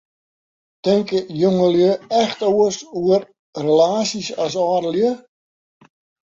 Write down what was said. Tinke jongelju echt oars oer relaasjes as âldelju?